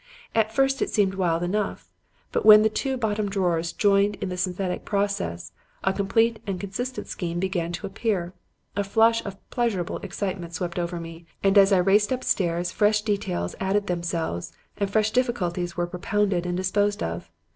At first it seemed wild enough; but when the two bottom drawers joined in the synthetic process, a complete and consistent scheme began to appear. A flush of pleasurable excitement swept over me, and as I raced upstairs fresh details added themselves and fresh difficulties were propounded and disposed of.